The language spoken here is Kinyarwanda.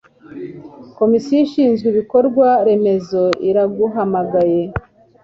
Komisiyo ishinzwe Ibikorwa Remezo iraguhamagaye